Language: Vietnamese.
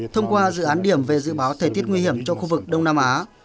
thông qua dự án điểm về dự báo thời tiết nguy hiểm cho khu vực đông nam á